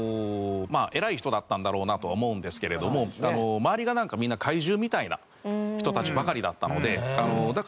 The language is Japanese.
偉い人だったんだろうなとは思うんですけれども周りがみんな怪獣みたいな人たちばかりだったので。